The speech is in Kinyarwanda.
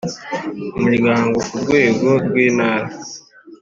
Umuryango ku rwego rw Intara